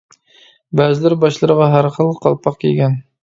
بەزىلىرى باشلىرىغا ھەر خىل قالپاق كىيگەن.